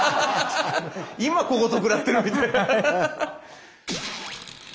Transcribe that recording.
今小言くらってるみたい。